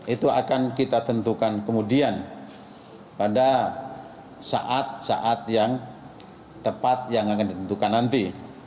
itu akan kita tentukan kemudian pada saat saat yang tepat yang akan ditentukan nanti